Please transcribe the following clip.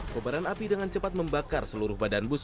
kobaran api dengan cepat membakar seluruh badan bus